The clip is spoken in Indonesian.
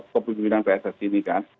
pemimpinan pssi ini kan